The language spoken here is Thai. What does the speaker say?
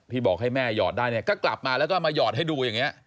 บอกให้แม่หอดได้เนี่ยก็กลับมาแล้วก็มาหยอดให้ดูอย่างนี้